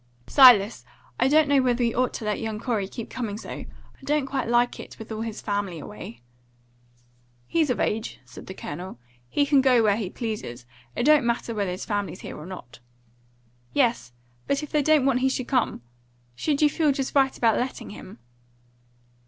"Silas, I don't know as we ought to let young Corey keep coming so. I don't quite like it, with all his family away." "He's of age," said the Colonel. "He can go where he pleases. It don't matter whether his family's here or not." "Yes, but if they don't want he should come? Should you feel just right about letting him?"